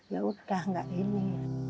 ya udah nggak ini